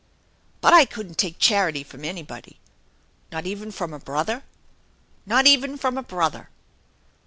" But I couldn't take charity from anybody." " Not even from a brother ?"" Not even from a brother."